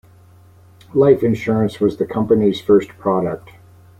Life insurance was the company's first product.